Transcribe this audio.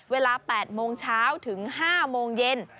เวลา๘โมงเช้าถึง๕โมงเย็น